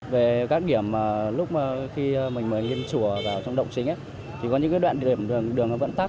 về các điểm lúc mà khi mình mời nhân chùa vào trong động chính thì có những đoạn điểm đường vẫn tắt